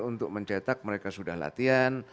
untuk mencetak mereka sudah latihan